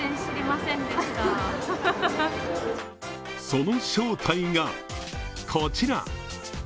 その正体がこちら。